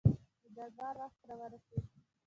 د دربار وخت را ورسېدی.